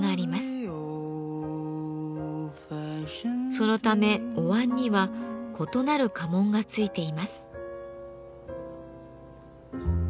そのためお椀には異なる家紋がついています。